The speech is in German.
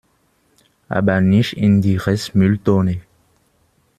Aber nicht in die Restmülltonne!